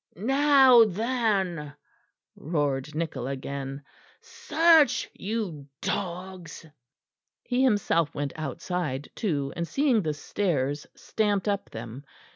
"Now then," roared Nichol again, "search, you dogs!" He himself went outside too, and seeing the stairs stamped up them.